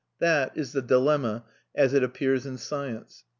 That is the dilemma as it appears in science.